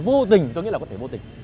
vô tình tôi nghĩ là có thể vô tình